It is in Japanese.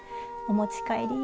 お持ち帰り。